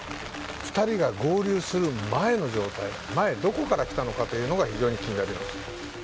２人が合流する前の状態、前、どこから来たというのが非常に気になります。